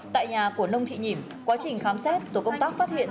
tại nhà của nông thị nhìm quá trình khám xét tổ công tác phát hiện